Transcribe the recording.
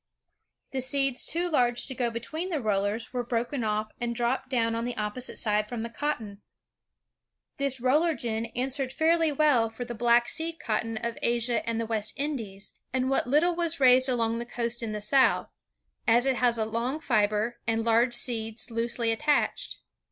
The seeds too large to go between the rbllers were broken off, and dropped down on the opposite side from the cotton. This roller gin answered fairly well for ELI WHITNEY II3 the black seed cotton of Asia and the West Indies, and what little was raised along the coast in the South, as it has a long fiber, and large seeds loosely attached.